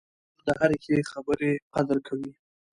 خور د هرې ښې خبرې قدر کوي.